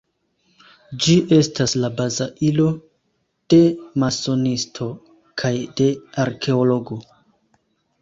Ĝi estas la baza ilo de masonisto kaj de arkeologo.